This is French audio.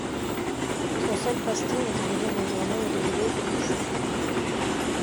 Son seul passe-temps était de lire les journaux et de jouer au whist.